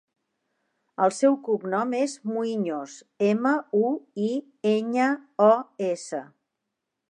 El seu cognom és Muiños: ema, u, i, enya, o, essa.